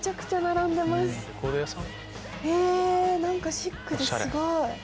へぇ何かシックですごい。